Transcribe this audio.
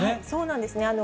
そうなんですね。